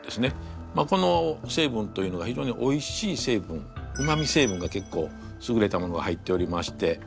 この成分というのがひじょうにおいしい成分うまみ成分が結構すぐれたものが入っておりまして。